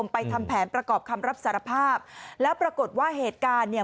ไปทำแผนประกอบคำรับสารภาพแล้วปรากฏว่าเหตุการณ์เนี่ย